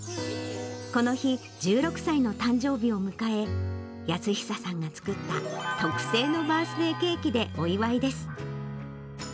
この日、１６歳の誕生日を迎え、泰久さんが作った特製のバースデーケーキでお祝いです。